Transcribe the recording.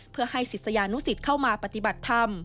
เพื่อให้ศิษยานุสิตเข้ามาปฏิบัติธรรม